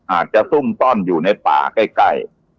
ซุ่มซ่อนอยู่ในป่าใกล้